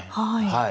はい。